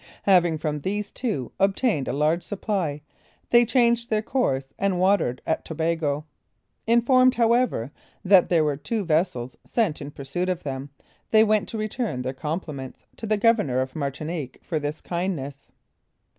Having from these two obtained a large supply, they changed their course and watered at Tobago. Informed, however, that there were two vessels sent in pursuit of them, they went to return their compliments to the Governor of Martinique for this kindness.